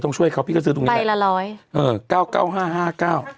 เป็นการกระตุ้นการไหลเวียนของเลือด